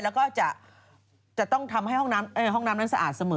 แล้วก็จะต้องทำให้ห้องน้ำนั้นสะอาดเสมอ